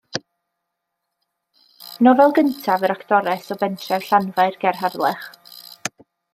Nofel gyntaf yr actores o bentref Llanfair ger Harlech.